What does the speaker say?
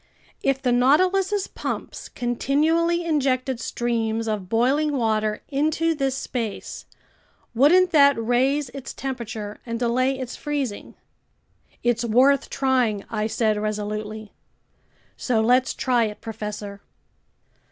If the Nautilus's pumps continually injected streams of boiling water into this space, wouldn't that raise its temperature and delay its freezing?" "It's worth trying!" I said resolutely. "So let's try it, professor."